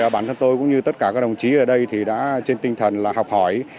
bản thân tôi cũng như tất cả các đồng chí ở đây đã trên tinh thần học hỏi